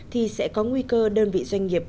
thì sẽ có nguy cơ đơn vị doanh nghiệp